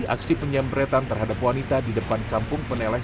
aksi penyamretan terhadap wanita di depan kampung peneleh